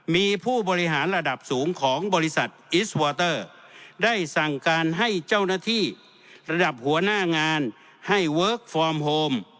มีผู้บริหารระดับสูงของบริษัทอิสวอเตอร์ได้สั่งการให้เจ้าหน้าที่ระดับหัวหน้างานให้เวิร์คฟอร์มโฮม